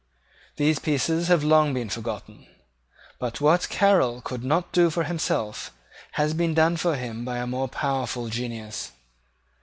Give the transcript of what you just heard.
These pieces have long been forgotten; but what Caryl could not do for himself has been done for him by a more powerful genius.